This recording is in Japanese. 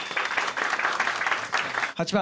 ８番。